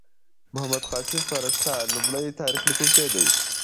محمد قاسم فرشته لومړی تاریخ لیکونکی دﺉ.